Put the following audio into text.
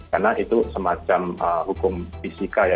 karena itu semacam hukum fisika ya